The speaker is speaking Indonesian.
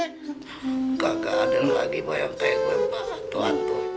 kagak ada lagi mbah yang kayak gue bantuan tuh